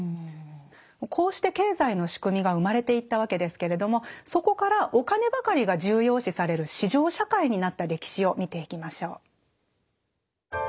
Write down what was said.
こうして経済の仕組みが生まれていったわけですけれどもそこからお金ばかりが重要視される市場社会になった歴史を見ていきましょう。